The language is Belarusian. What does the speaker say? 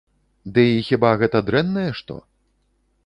Ды і хіба гэта дрэннае што?